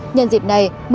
nhân dịp này